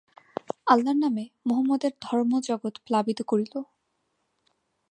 আল্লার নামে মহম্মদের ধর্মজগৎ প্লাবিত করিল।